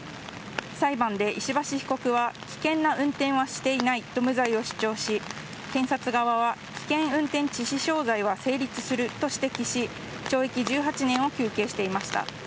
裁判で石橋被告は危険な運転はしていないと無罪を主張し検察側は危険運転致死傷罪は成立すると指摘し懲役１８年を求刑していました。